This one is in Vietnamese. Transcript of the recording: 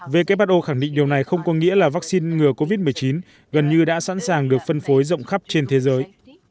who khẳng định điều này không có nghĩa là vaccine ngừa covid một mươi chín gần như đã sẵn sàng được phân phối rộng khắp trên thế giới